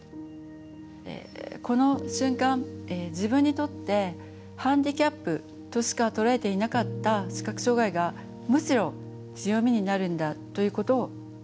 この瞬間自分にとってハンディキャップとしか捉えていなかった視覚障害がむしろ強みになるんだということを知りました。